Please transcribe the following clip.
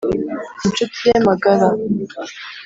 inshuti ye magara